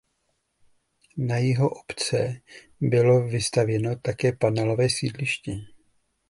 Na jihu obce bylo vystavěno také panelové sídliště.